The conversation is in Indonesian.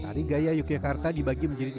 tari gaya yogyakarta dibagi menjadi